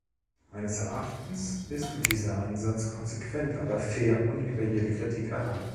Meines Erachtens ist dieser Ansatz konsequent, aber fair und über jede Kritik erhaben.